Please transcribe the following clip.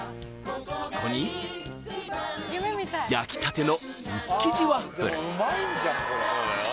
そこに焼きたての薄生地ワッフル